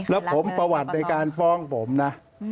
แล้วผมประวัติในการฟ้องผมนะ